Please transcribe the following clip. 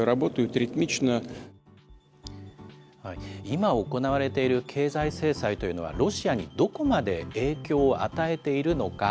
今行われている経済制裁というのは、ロシアにどこまで影響を与えているのか。